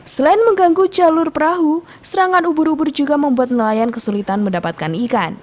selain mengganggu jalur perahu serangan ubur ubur juga membuat nelayan kesulitan mendapatkan ikan